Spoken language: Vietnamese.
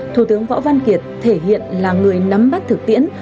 thủ tướng võ văn kiệt thể hiện là người nắm bắt thực tiễn